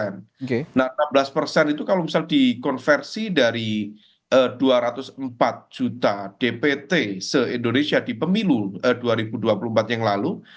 nah enam belas persen itu kalau misalnya dikonversi dari dua ratus empat juta dpt se indonesia di pemilu dua ribu dua puluh empat yang lalu